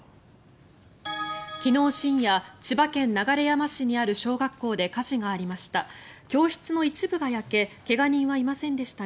昨日深夜、千葉県流山市にある小学校で火事がありました。